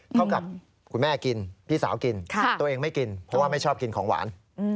เท่ากับคุณแม่กินพี่สาวกินตัวเองไม่กินเพราะว่าไม่ชอบกินของหวาน